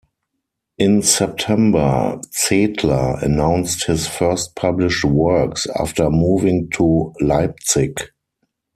In September, Zedler announced his first published works after moving to Leipzig.